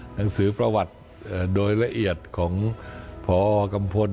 หนังสือประวัติโดยละเอียดของพอกัมพล